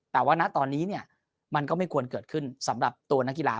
แต่ว่าณตอนนี้เนี่ยมันก็ไม่ควรเกิดขึ้นสำหรับตัวนักกีฬา